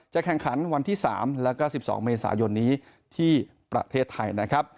แข่งขันวันที่๓แล้วก็๑๒เมษายนนี้ที่ประเทศไทยนะครับ